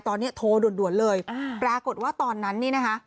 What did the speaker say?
ตอนนี้โทรด่วนเลยปรากฏว่าตอนนั้นนี่นะคะ